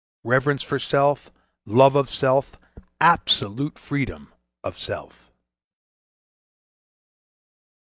Reverence for self; love of self; absolute freedom of self....